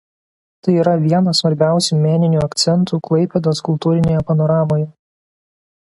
Tai yra vienas svarbiausių meninių akcentų Klaipėdos kultūrinėje panoramoje.